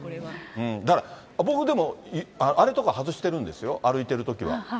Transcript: だから、僕でも、あれとか外してるんですよ、歩いてるときは。